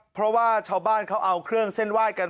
เพราะว่าชาวบ้านเขาเอาเครื่องเส้นไหว้กัน